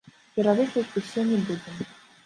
Пералічваць усе не будзем.